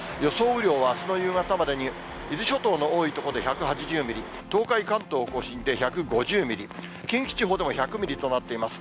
雨量はあすの夕方までに、伊豆諸島の多い所で１８０ミリ、東海、関東甲信で１５０ミリ、近畿地方でも１００ミリとなっています。